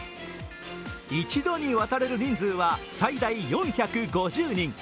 一度に渡れる人数は最大４５０人。